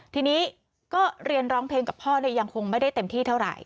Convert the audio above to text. ทีนี้ก็เรียนร้องเพลงกับพ่อยังคงไม่ได้เต็มที่เท่าไหร่